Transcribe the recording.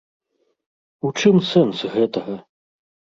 У чым сэнс гэтага?